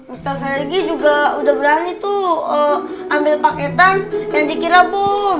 ustaz selegi juga udah berani tuh ambil paketan yang dikira boom